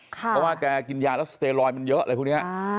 เพราะว่าแกกินยาแล้วสเตรอยมันเยอะอะไรพวกนี้